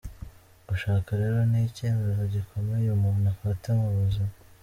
Gushaka rero ni icyemezo gikomeye umuntu afata mu buzima.